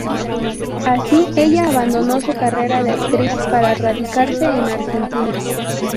Así ella abandonó su carrera de actriz para radicarse en Argentina.